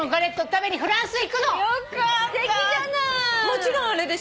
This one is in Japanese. もちろんあれでしょ？